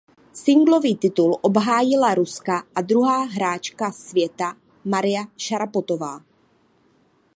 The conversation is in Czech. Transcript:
Singlový titul obhájila Ruska a druhá hráčka světa Maria Šarapovová.